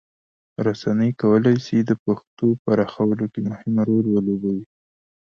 رسنۍ کولی سي د پښتو پراخولو کې مهم رول ولوبوي.